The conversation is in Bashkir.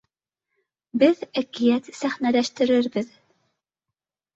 Беҙ әкиәт сәхнәләштерербеҙ.